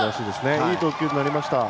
いい投球になりました。